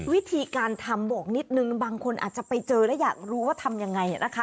วิธีการทำบอกนิดนึงบางคนอาจจะไปเจอและอยากรู้ว่าทำยังไงนะคะ